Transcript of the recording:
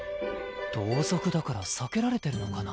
同族だから避けられてるのかな。